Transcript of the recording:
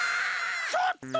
ちょっと！